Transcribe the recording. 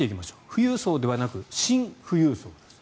富裕層ではなくシン富裕層です。